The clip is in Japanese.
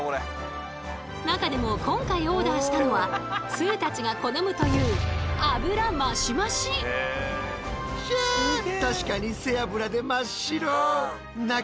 中でも今回オーダーしたのは通たちが好むといううまそっ！